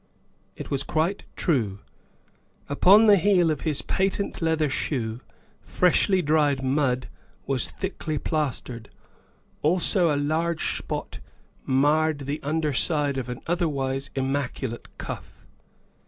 '' It was quite true. Upon the heel of his patent leather shoe freshly dried mud was thickly plastered; also a large spot marred the under side of an otherwise immac ulate cuff.